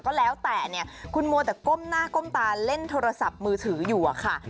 ก็แล้วแต่เนี่ยคุณมัวแต่ก้มหน้าก้มตาเล่นโทรศัพท์มือถืออยู่อะค่ะ